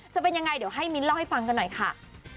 จะเป็นยังไงเดี๋ยวให้มิ้นเล่าให้ฟังกันหน่อยค่ะ